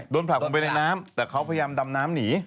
ผลักลงไปในน้ำแต่เขาพยายามดำน้ำหนี